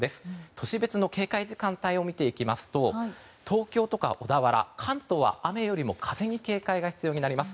都市別の警戒時間帯を見ていきますと東京とか小田原、関東は雨よりも風に警戒が必要になります。